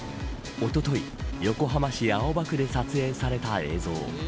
おととい横浜市青葉区で撮影された映像。